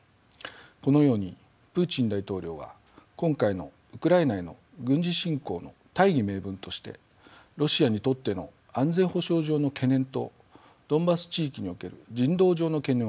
このようにプーチン大統領は今回のウクライナへの軍事侵攻の大義名分としてロシアにとっての安全保障上の懸念とドンバス地域における人道上の懸念を挙げました。